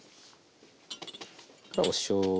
おしょうゆ。